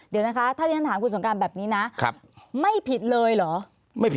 เดี๋ยวนะคะถ้าเราถามคุณสมการแบบนี้นะครับไม่ผิดเลยเหรอ